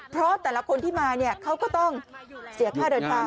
เพราะแต่ละคนที่มาเนี่ยเขาก็ต้องเสียค่าเดินทาง